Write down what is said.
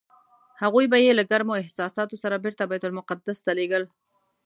هغوی به یې له ګرمو احساساتو سره بېرته بیت المقدس ته لېږل.